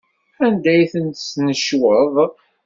Anda ay ten-tesnecweḍ?